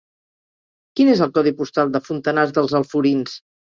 Quin és el codi postal de Fontanars dels Alforins?